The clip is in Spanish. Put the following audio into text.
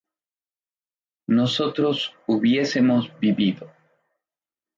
¿nosotros hubiésemos vivido?